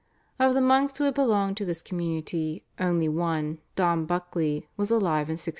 Of the monks who had belonged to this community only one, Dom Buckley, was alive in 1607.